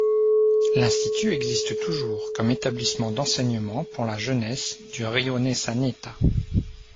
L'institut existe toujours, comme établissement d'enseignement pour la jeunesse du rione Sanità.